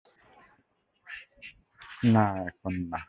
না, এখন না।